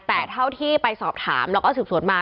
แต่เท่าที่ไปสอบถามแล้วก็สืบสวนมา